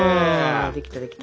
できたできた。